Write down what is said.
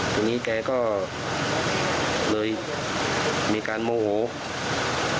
ทีนี้แกก็เลยมีการโมโห